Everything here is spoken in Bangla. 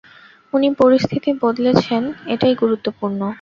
উনি পরিস্থিতি বদলেছেন এটাই গুরুত্বপূর্ণ।